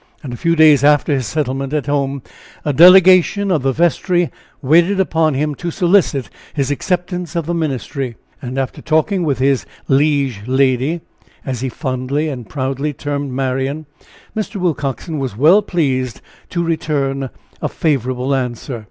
And a few days after his settlement at home a delegation of the vestry waited upon him to solicit his acceptance of the ministry. And after talking with his "liege lady," as he fondly and proudly termed Marian, Mr. Willcoxen was well pleased to return a favorable answer.